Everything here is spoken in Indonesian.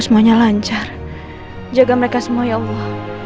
jangan biarkan hal buruk apapun terjadi sama mereka